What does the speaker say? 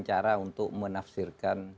cara untuk menafsirkan